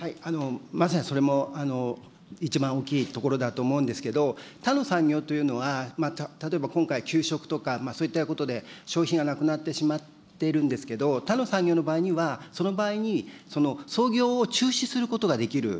まさにそれも一番大きいところだと思うんですけれども、他の産業というのは、例えば今回、給食とか、そういったことで消費がなくなってしまっているんですけれども、他の産業の場合には、その場合に操業を中止することができる。